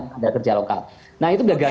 tenaga kerja lokal nah itu berdasarkan